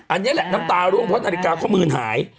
อันนี้แหละน้ำตาร่วงเพราะนาฬิกาข้อมือนหาย